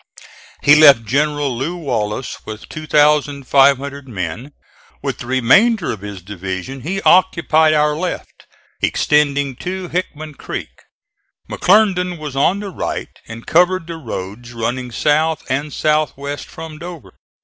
He left General Lew. Wallace with 2,500 men. With the remainder of his division he occupied our left, extending to Hickman creek. McClernand was on the right and covered the roads running south and south west from Dover.